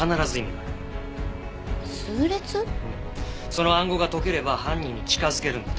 その暗号が解ければ犯人に近づけるんだ。